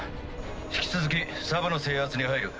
引き続きサブの制圧に入る。